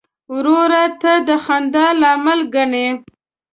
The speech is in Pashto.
ورور ته د خندا لامل ګڼې.